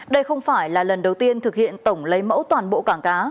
đây không phải là lần đầu tiên thực hiện tổng lấy mẫu toàn bộ cảng cá